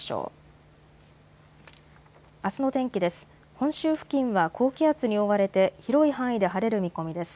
本州付近は高気圧に覆われて広い範囲で晴れる見込みです。